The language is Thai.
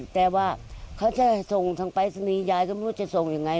แต่ว่าเขาจะส่งทางไปสนียายก็ไม่รู้จะส่งอย่างไร